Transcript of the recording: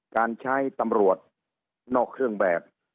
การใช้ตำรวจนอกเครื่องแบบ